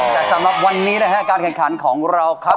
แต่สำหรับวันนี้การแข่งขันของเรา